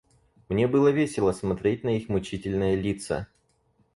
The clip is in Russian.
Мне было весело смотреть на их мучительные лица.